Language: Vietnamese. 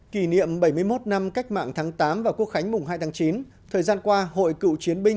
kỷ niệm bảy mươi một năm cách mạng tháng tám và quốc khánh mùng hai tháng chín thời gian qua hội cựu chiến binh